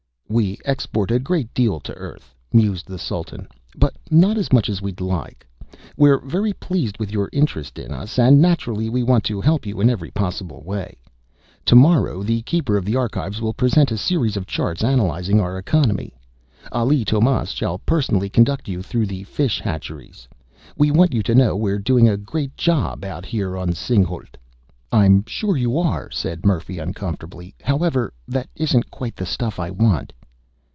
"We export a great deal to Earth," mused the Sultan, "but not as much as we'd like. We're very pleased with your interest in us, and naturally we want to help you in every way possible. Tomorrow the Keeper of the Archives will present a series of charts analyzing our economy. Ali Tomás shall personally conduct you through the fish hatcheries. We want you to know we're doing a great job out here on Singhalût." "I'm sure you are," said Murphy uncomfortably. "However, that isn't quite the stuff I want."